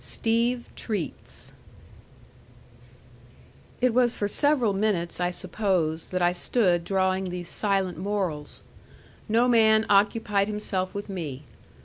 STEVE TREATS It was for several minutes, I suppose, that I stood drawing these silent morals. No man occupied himself with me.